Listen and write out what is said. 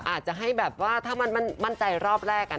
อาจจะให้แบบว่าถ้ามันมั่นใจรอบแรก